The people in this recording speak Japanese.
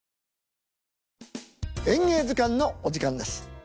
「演芸図鑑」のお時間です。